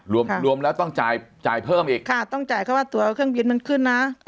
รวมรวมแล้วต้องจ่ายจ่ายเพิ่มอีกค่ะต้องจ่ายเพราะว่าตัวเครื่องบินมันขึ้นนะ